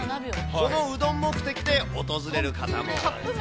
このうどん目的で訪れる方も。